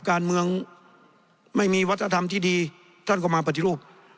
การเมืองไม่มีวัฒนธรรมที่ดีท่านก็มาปฏิรูป